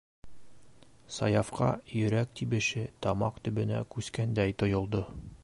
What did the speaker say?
- Саяфҡа йөрәк тибеше тамаҡ төбөнә күскәндәй тойолдо.